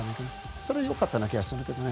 それが良かったような気がするけどね。